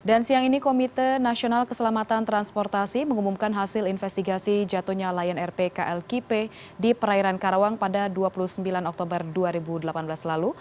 dan siang ini komite nasional keselamatan transportasi mengumumkan hasil investigasi jatuhnya lion rp klkp di perairan karawang pada dua puluh sembilan oktober dua ribu delapan belas lalu